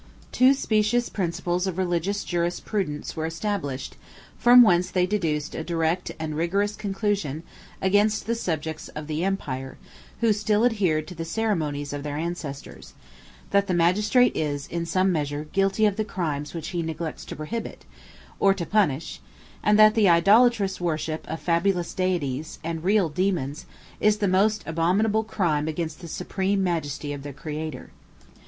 Two specious principles of religious jurisprudence were established, from whence they deduced a direct and rigorous conclusion, against the subjects of the empire who still adhered to the ceremonies of their ancestors: that the magistrate is, in some measure, guilty of the crimes which he neglects to prohibit, or to punish; and, that the idolatrous worship of fabulous deities, and real daemons, is the most abominable crime against the supreme majesty of the Creator.